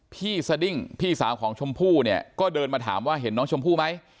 พี่สดิ้งพี่สาวของชมพู่เนี่ยก็เดินมาถามว่าเห็นน้องชมพู่ไหม